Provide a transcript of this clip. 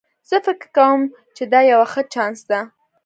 زه فکر کوم چې دا یو ښه چانس ده